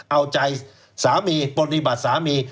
เอาใจสามีบรรณีบัตรสามี